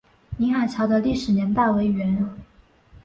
宁海桥的历史年代为元。